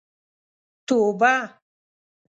توبه.